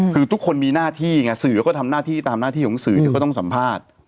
คือทุกคนมีหน้าที่ไงสื่อก็ทำหน้าที่ตามหน้าที่ของสื่อที่เขาต้องสัมภาษณ์